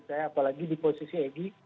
apalagi di posisi egy